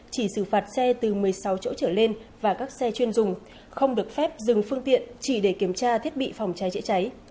chỉ xử phạt xe từ một mươi sáu chỗ trở lên và các xe chuyên dùng không được phép dừng phương tiện chỉ để kiểm tra thiết bị phòng cháy chữa cháy